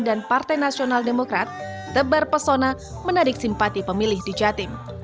dan partai nasional demokrat tebar persona menarik simpati pemilih di jatim